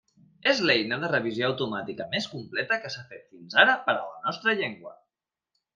És l'eina de revisió automàtica més completa que s'ha fet fins ara per a la nostra llengua.